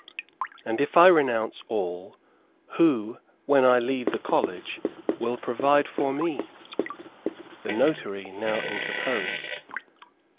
And if I renounce all, who, when I leave the college, will provide for me?" The notary now interposed.